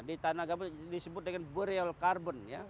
di tanah gambut disebut dengan boreal carbon ya